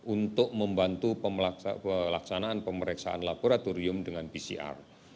untuk membantu pelaksanaan pemeriksaan laboratorium dengan pcr